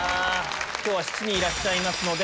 今日は７人いらっしゃいますので。